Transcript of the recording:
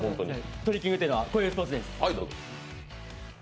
トリッキングというのはこういうスポーツです。